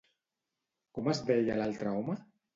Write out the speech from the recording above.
Com es deia l'altre home?